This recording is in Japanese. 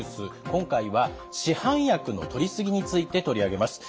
今回は市販薬のとりすぎについて取り上げます。